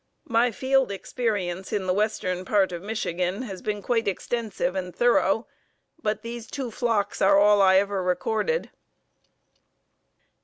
My field experience in the western part of Michigan has been quite extensive and thorough, but these two flocks are all I ever recorded."